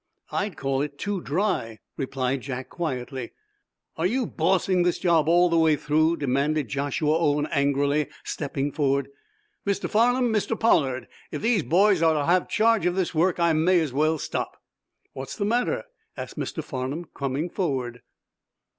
"I'd call it too dry," replied Jack, quietly. "Are you bossing this job all the way through?" demanded Joshua Owen, angrily, stepping forward. "Mr. Farnum, Mr. Pollard, if these boys are to have charge of this work, I may as well stop." "What's the matter?" asked Mr. Farnum, coining forward.